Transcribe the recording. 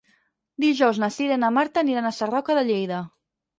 Dijous na Cira i na Marta aniran a Sarroca de Lleida.